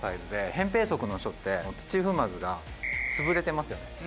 「扁平足の人って土踏まずが潰れてますよね」